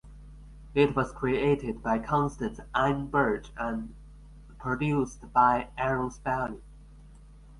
It was created by Constance M. Burge and produced by Aaron Spelling.